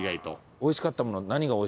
おいしかったものは。